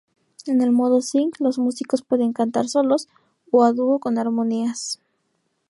En el modo Sing, los músicos pueden cantar solos o a dúo con armonías.